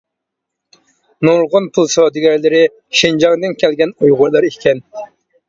نۇرغۇن پۇل سودىگەرلىرى شىنجاڭدىن كەلگەن ئۇيغۇرلار ئىكەن.